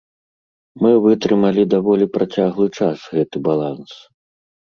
Мы вытрымалі даволі працяглы час гэты баланс.